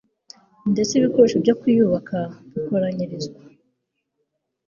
ndetse ibikoresho byo kuyubaka bikoranyirizwa